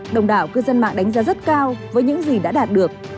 đồng đảo cư dân mạng đánh giá rất cao với những gì đã đạt được